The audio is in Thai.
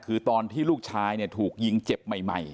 คือตอนที่ลูกชายเนี่ยถูกยิงเจ็บใหม่